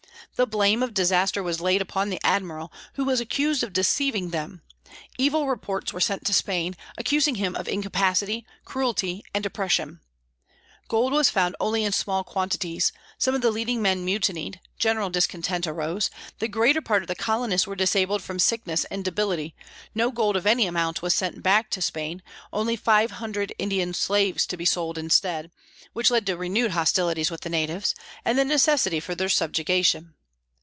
The blame of disaster was laid upon the Admiral, who was accused of deceiving them; evil reports were sent to Spain, accusing him of incapacity, cruelty, and oppression; gold was found only in small quantities; some of the leading men mutinied; general discontent arose; the greater part of the colonists were disabled from sickness and debility; no gold of any amount was sent back to Spain, only five hundred Indian slaves to be sold instead, which led to renewed hostilities with the natives, and the necessity for their subjugation.